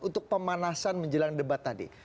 untuk pemanasan menjelang debat tadi